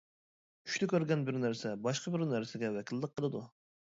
چۈشتە كۆرگەن بىر نەرسە باشقا بىر نەرسىگە ۋەكىللىك قىلىدۇ.